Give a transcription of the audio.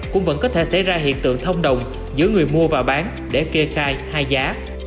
cũng vẫn có thể xảy ra hiện tượng thông đồng giữa người mua và bán để kê khai hai giá